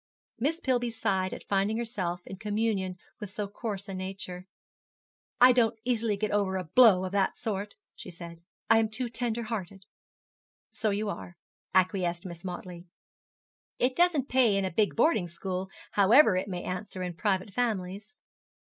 Miss Pillby sighed at finding herself in communion with so coarse a nature. 'I don't easily get over a blow of that sort,' she said; 'I am too tender hearted.' 'So you are,' acquiesced Miss Motley. 'It doesn't pay in a big boarding school, however it may answer in private families.'